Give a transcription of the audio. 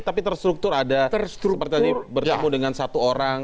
tapi terstruktur ada seperti berjabung dengan satu orang